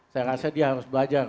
saya rasa dia harus belajar